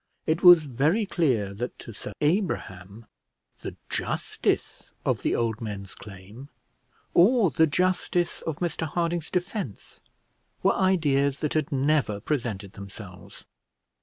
It was very clear that to Sir Abraham, the justice of the old men's claim or the justice of Mr Harding's defence were ideas that had never presented themselves.